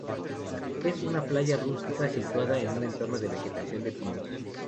Es una playa rústica situada en un entorno de vegetación de pinos.